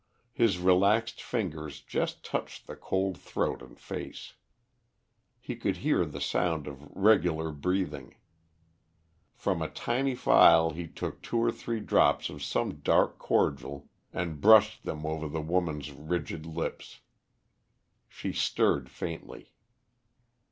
His relaxed fingers just touched the cold throat and face. He could hear the sound of regular breathing. From a tiny phial he took two or three drops of some dark cordial and brushed them over the woman's rigid lips. She stirred faintly.